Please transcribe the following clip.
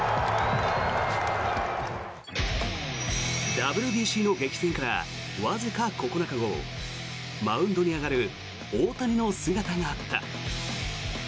ＷＢＣの激戦からわずか９日後マウンドに上がる大谷の姿があった。